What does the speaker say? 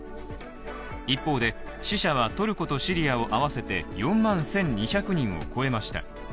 一方で死者はトルコとシリアを合わせて４万１２００人を超えました。